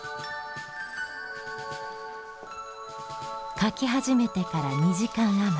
描き始めてから２時間余り。